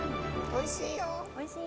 おいしい。